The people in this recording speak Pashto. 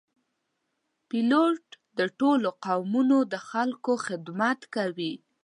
پیلوټ د ټولو قومونو د خلکو خدمت کوي.